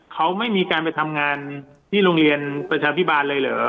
เขาไม่มีการไปทำงานที่โรงเรียนประชาพิบาลเลยเหรอ